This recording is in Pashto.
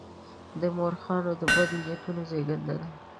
د مورخانو د بدو نیتونو زېږنده ده.